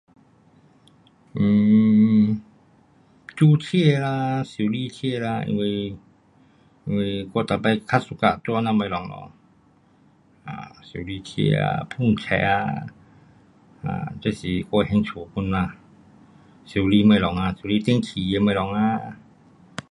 um 做车啊，修理车啦，因为，因为我每次较 suka 做这样的东西咯 um 修理车啊,喷色啊 um 这是我兴趣 pun 呐。修理东西呐，修理电器的东西啊。